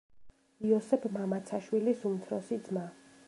იოსებ მამაცაშვილის უმცროსი ძმა.